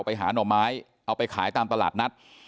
หน่อไม้เอาไปขายตามตลาดนัด